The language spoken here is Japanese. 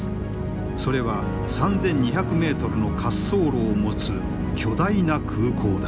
それは３，２００メートルの滑走路を持つ巨大な空港だ。